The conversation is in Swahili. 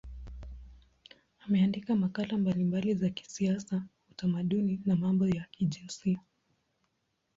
Ameandika makala mbalimbali za kisiasa, utamaduni na mambo ya kijinsia.